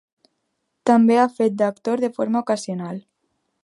També ha fet d'actor de forma ocasional.